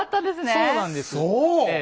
そうなんですええ。